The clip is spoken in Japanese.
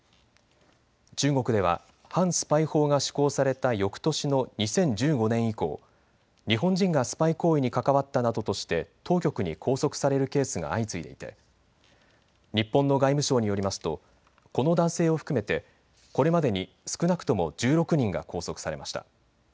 中国では反スパイ法が施行されたよくとしの２０１５年以降、日本人がスパイ行為に関わったなどとして当局に拘束されるケースが相次いでいて日本の外務省によりますとこの男性を含めて、これまでに少なくとも１６人が拘束されました。